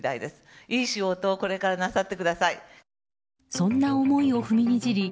そんな思いを踏みにじり